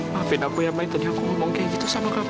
maafin aku ya mai tadi aku ngomong kayak gitu sama kamu